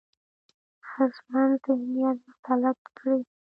ښځمن ذهنيت مسلط کړي،